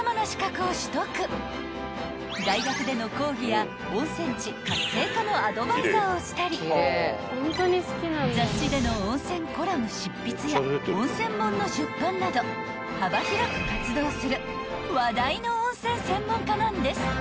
［大学での講義や温泉地活性化のアドバイザーをしたり雑誌での温泉コラム執筆や温泉本の出版など幅広く活動する話題の］